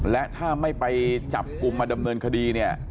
และถ้าไม่ไปจับกลุ่มมาดำเนินคดีเนี่ย